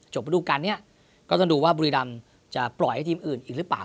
กระดูกการนี้ก็ต้องดูว่าบุรีรำจะปล่อยให้ทีมอื่นอีกหรือเปล่า